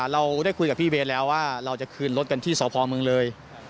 เราได้คุยกับพี่เบสแล้วว่าเราจะคืนรถกันที่สพเมืองเลย